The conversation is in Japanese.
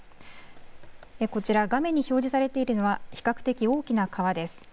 こちら画面に表示されているのは、比較的大きな川です。